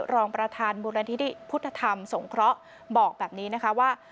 รองประธานมูลนิธิพุทธธรรมสงเคราะห์บอกแบบนี้นะคะว่า